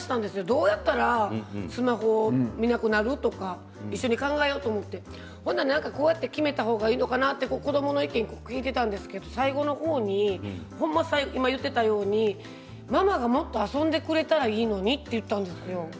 どうやったらスマホを見なくなるのか一緒に考えようと思ってこれって決めた方がいいのかなと子どもの意見を聞いていたんですけど最後の方に今言っていたようにママがもっと遊んでくれたらいいのにと言っていたんですよ。